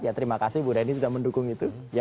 ya terima kasih bu dhani sudah mendukung itu